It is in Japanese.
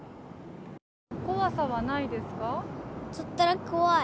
怖さはないですか？